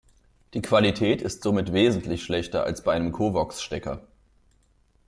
Die Qualität ist somit wesentlich schlechter als bei einem Covox-Stecker.